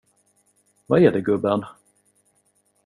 Vad är det, gubben?